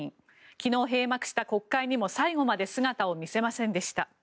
昨日、閉幕した国会にも最後まで姿を見せませんでした。